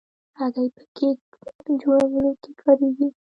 هګۍ په کیک جوړولو کې کارېږي.